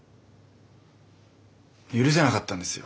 許せなかったんですよ。